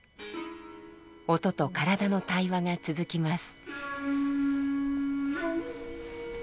音と体の対話が続きます。